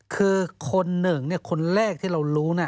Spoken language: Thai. คือคนหนึ่งคนแรกที่เรารู้